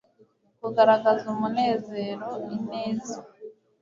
kugaragaza umunezero, ineza